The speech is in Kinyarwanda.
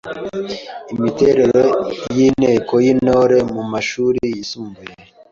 Imiterere y’Inteko y’Intore mu mashuri yisumbuye